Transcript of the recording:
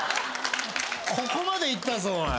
ここまで行ったぞ。